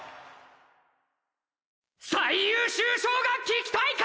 最優秀賞が聞きたいか！？